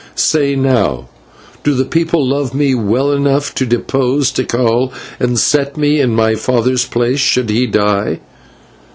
Say, now, do the people love me well enough to depose Tikal and set me in my father's place, should he die?"